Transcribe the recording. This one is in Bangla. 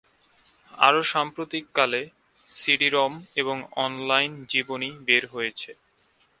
আরও সাম্প্রতিককালে, সিডি-রম এবং অনলাইন জীবনী বের হয়েছে।